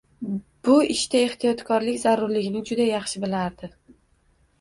Bu ishda ehtiyotkorlik zarurligini juda yaxshi bilardi